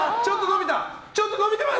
ちょっと伸びてます。